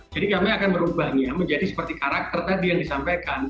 jadi kami akan merubahnya menjadi seperti karakter tadi yang disampaikan